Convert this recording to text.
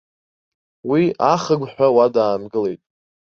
Уи ахыгәҳәа уа даангылеит.